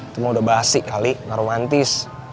tunggu udah basi kali nggak romantis